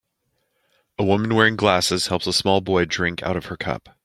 A woman wearing glasses helps a small boy drink out of her cup.